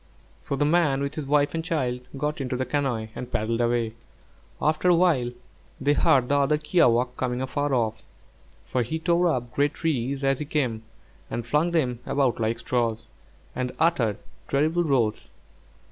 So the man with his wife and child got into the canoe and paddled away. After a while they heard the other kiawākq' coming afar off, for he tore up great trees as he came and flung them about like straws, and uttered terrible roars.